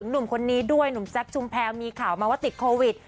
หนุ่มคนนี้ด้วยหนุ่มแจ๊คชุมแพรมีข่าวมาว่าติดโควิด